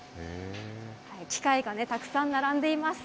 機械がたくさん並んでいます。